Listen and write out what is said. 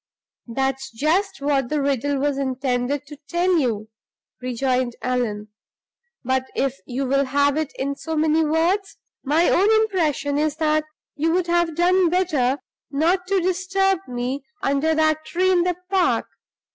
"That's just what the riddle was intended to tell you!" rejoined Allan. "But if you will have it in so many words, my own impression is that you would have done better not to disturb me under that tree in the park.